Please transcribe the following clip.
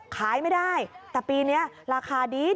ขายไม่ได้แต่ปีนี้ราคาดี